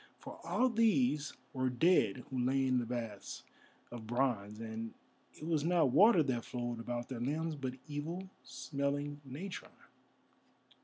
For all these were dead who lay in the baths of bronze, and it was not water that flowed about their limbs, but evil smelling natron.